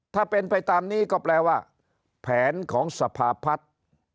ถ้าเป็นไปตามนี้ก็แปลว่าแผนของสภาพัฒน์